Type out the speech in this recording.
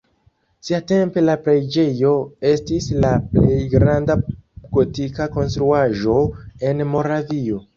Siatempe la preĝejo estis la plej granda gotika konstruaĵo en Moravio.